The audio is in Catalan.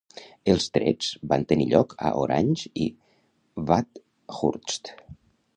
Els trets van tenir lloc a Orange i Bathurst.